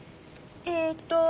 えーっと。